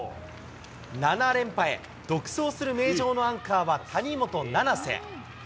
７連覇へ、独走する名城のアンカーは谷本七星。